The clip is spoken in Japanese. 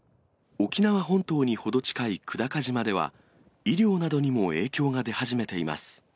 沖縄本島に程近い久高島では、医療などにも影響が出始めています。